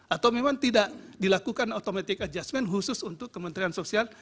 atau memang tidak dilakukan automatic adjustment khusus untuk kementerian sosial